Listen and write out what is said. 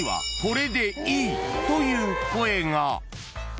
［という声が］